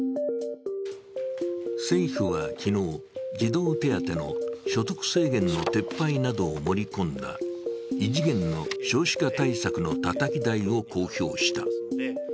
政府は昨日、児童手当の所得制限の撤廃などを盛り込んだ異次元の少子化対策のたたき台を公表した。